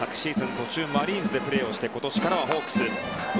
途中マリーンズでプレーして今年からはホークス。